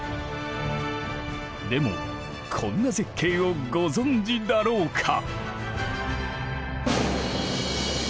でもこんな絶景をご存じだろうか？